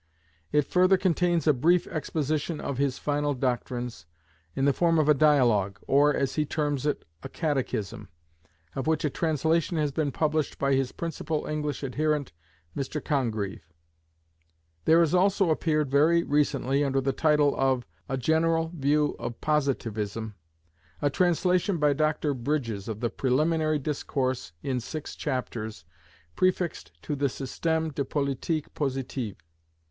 It further contains a brief exposition of his final doctrines, in the form of a Dialogue, or, as he terms it, a Catechism, of which a translation has been published by his principal English adherent, Mr Congreve. There has also appeared very recently, under the title of "A General View of Positivism," a translation by Dr Bridges, of the Preliminary Discourse in six chapters, prefixed to the Système de Politique Positive.